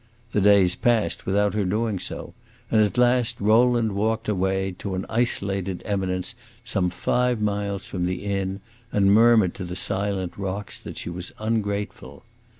The days passed without her doing so, and at last Rowland walked away to an isolated eminence some five miles from the inn and murmured to the silent rocks that she was ungrateful.